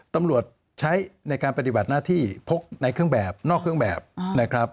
ตำรวจใช้ในการปฏิบัติหน้าที่พกในเครื่องแบบนอกเครื่องแบบนะครับ